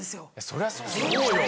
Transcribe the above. そりゃそうだよ。